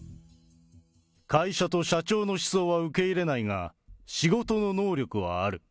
会社と社長の思想は受け入れないが、仕事の能力はある。